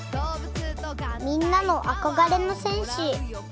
みんなのあこがれの戦士。